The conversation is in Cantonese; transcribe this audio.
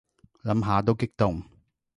諗下都激動